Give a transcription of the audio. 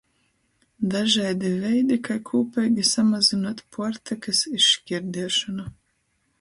Dažaidi veidi, kai kūpeigi samazynuot puortykys izškierdiešonu.